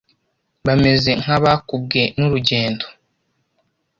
bameze nk’abakubwe n’urugendo;